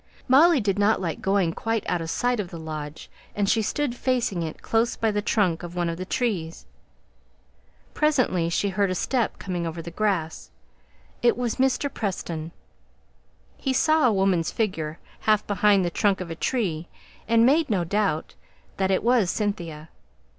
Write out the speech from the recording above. Molly did not like going quite out of sight of the lodge, and she stood facing it, close by the trunk of one of the trees. Presently she heard a step coming over the grass. It was Mr. Preston. He saw a woman's figure, half behind the trunk of a tree, and made no doubt that it was Cynthia.